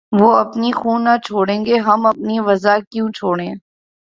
وہ اپنی خو نہ چھوڑیں گے‘ ہم اپنی وضع کیوں چھوڑیں!